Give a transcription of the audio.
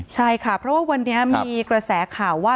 ใช่ค่ะเพราะว่าวันนี้มีกระแสข่าวว่า